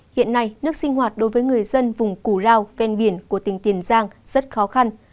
hiện nay nước sinh hoạt đối với người dân vùng củ lao ven biển của tỉnh tiền giang rất khó khăn